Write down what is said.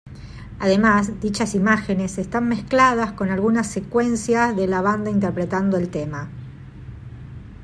Además, dichas imágenes están mezcladas con algunas secuencias de la banda interpretando el tema.